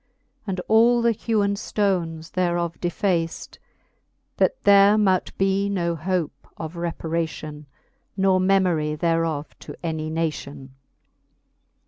And all the hewen ftones thereof defaced. That there mote be no hope of reparation, Nor memory thereof to any nation.